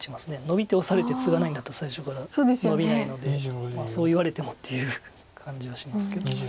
ノビてオサれてツガないんだったら最初からノビないのでそう言われてもっていう感じはしますけど。